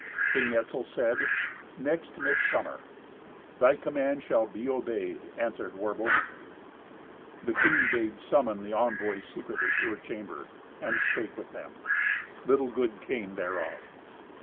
King Etzel said, "Next midsummer." "Thy command shall be obeyed," answered Werbel. The queen bade summon the envoys secretly to her chamber, and spake with them. Little good came thereof.